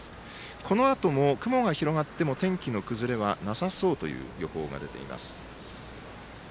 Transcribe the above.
このあとも、雲が広がっても天気の崩れはなさそうという予報が出ています。